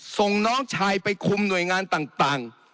ส่งน้องชายไปคุมหน่วยงานต่าง